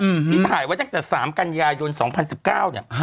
ที่ถ่ายไว้ตั้งแต่๓กัญญายน๒๐๑๙เนี่ย